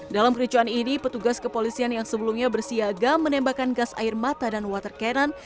dalam kericuan ini petugas kepolisian yang sebelumnya bersiaga menembakkan gas air mata dan water cannon